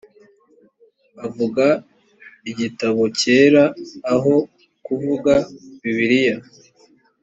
avuga igitabo cyera aho kuvuga bibiliya .